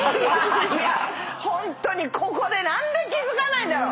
いやホントにここで何で気付かないんだろう